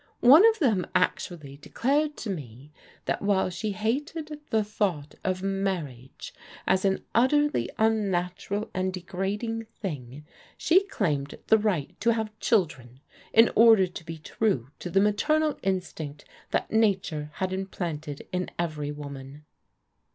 One of them actually declared to me, that while she hated the thought of marriage as an utterly unnatural and degrading thing, she claimed the right to have children in order to be true to the maternal instinct that nature had implanted in every woman."